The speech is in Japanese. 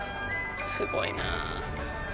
すごいな。